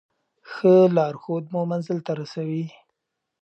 ښه لارښود مو منزل ته رسوي.